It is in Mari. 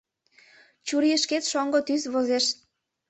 Чурийышкет шоҥго тӱс возеш.